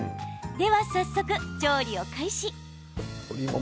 では早速、調理を開始。